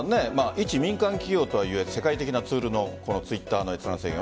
一民間企業とはいえ世界的なツールのＴｗｉｔｔｅｒの閲覧制限